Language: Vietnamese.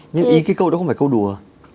nhưng ý cái câu đó không phải câu đùa